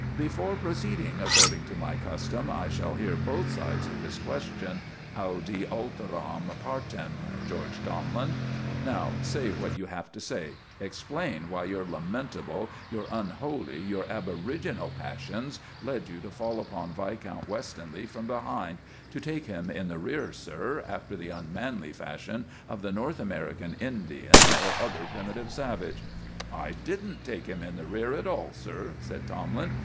"Before proceeding, according to my custom, I shall hear both sides of this question audi alteram partem, George Tomlin. Now say what you have to say; explain why your lamentable, your unholy, your aboriginal passions led you to fall upon Viscount Westonleigh from behind to take him in the rear, sir, after the unmanly fashion of the North American Indian or other primitive savage." "I didn't take him in the rear at all, sir," said Tomlin.